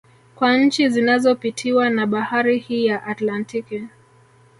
Kwa nchi zinazopitiwa na Bahari hii ya Atlantiki